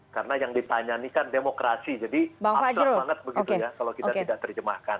karena yang ditanya ini kan demokrasi jadi after banget begitu ya kalau kita tidak terjemahkan